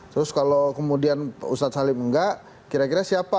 terus kalau kemudian ustadz salim enggak kira kira siapa